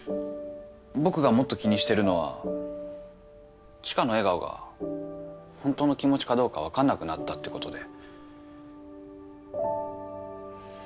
僕がもっと気にしてるのは知花の笑顔が本当の気持ちかどうか分かんなくなったってことで。